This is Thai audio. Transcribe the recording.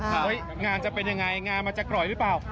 เฮ้ยงานจะเป็นยังไงงานมันจะกร่อยหรือเปล่า